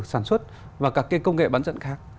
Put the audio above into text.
sản xuất và các công nghệ bán dẫn khác